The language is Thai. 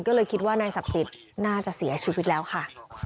ก็เลยคิดว่านายศักดิ์สิทธิ์น่าจะเสียชีวิตแล้วค่ะ